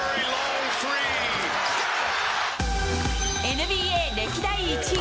ＮＢＡ歴代１位。